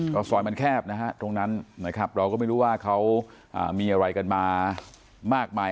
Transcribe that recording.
ก็ซอยมันแคบนะฮะตรงนั้นนะครับเราก็ไม่รู้ว่าเขามีอะไรกันมามากมาย